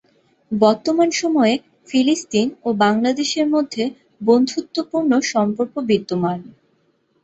বর্তমান সময়ে ফিলিস্তিন ও বাংলাদেশের মধ্যে বন্ধুত্বপূর্ণ সম্পর্ক বিদ্যমান।